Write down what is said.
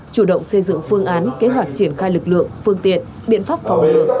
chủ động xây dựng phương án kế hoạch triển khai lực lượng phương tiện biện pháp phòng ngừa